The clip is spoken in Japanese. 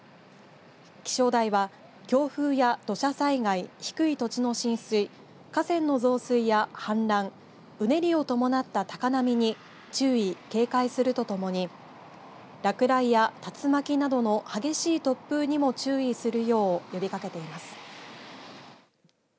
気象台は強風や土砂災害、低い土地の浸水、河川の増水や氾濫、うねりを伴った高波に注意、警戒するとともに落雷や竜巻などの激しい突風にも注意するよう呼びかけています。